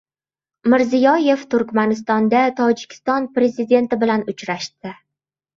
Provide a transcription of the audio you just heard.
Mirziyoyev Turkmanistonda Tojikiston Prezidenti bilan uchrashdi